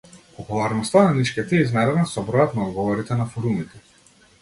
Популарноста на нишките е измерена со бројот на одговорите на форумите.